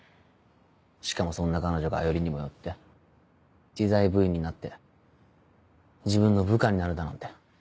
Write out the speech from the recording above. しかもそんな彼女がよりにもよって知財部員になって自分の部下になるだなんて。